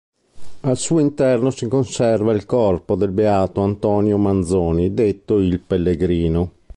Al suo interno si conserva il corpo del beato Antonio Manzoni detto "il Pellegrino".